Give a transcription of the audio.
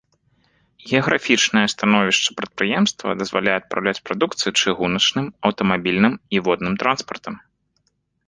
Геаграфічнае становішча прадпрыемства дазваляе адпраўляць прадукцыю чыгуначным, аўтамабільным і водным транспартам.